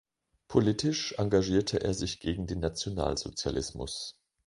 Politisch engagierte er sich gegen den Nationalsozialismus.